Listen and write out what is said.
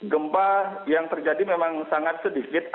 gempa yang terjadi memang sangat sedikit